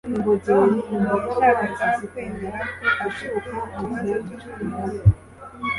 Tom ntiyashakaga kwemera ko afite ikibazo cyo kunywa.